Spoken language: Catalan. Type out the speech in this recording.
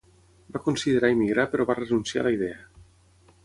Va considerar emigrar però va renunciar a la idea.